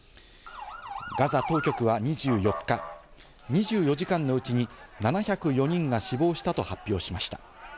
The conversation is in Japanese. ガザ当局は２４日、２４時間のうちに７０４人が死亡したと発表しました。